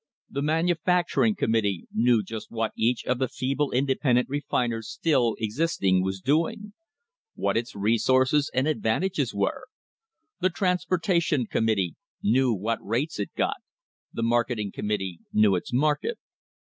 The Manufacturing Com mittee knew just what each of the feeble independent refiners still existing was doing what its resources and advantages were; the Transportation Committee knew what rates it got; the Marketing Committee knew its market.